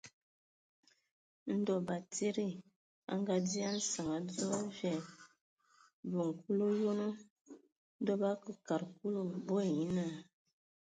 Ndɔ batsidi a ngadzye a nsǝŋ adzo a vyɛɛ̂! Vǝ kul o yonoŋ. Ndɔ bə akǝ kad Kulu, bo ai nye naa.